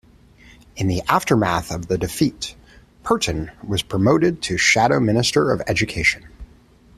In the aftermath of the defeat, Perton was promoted to Shadow Minister of Education.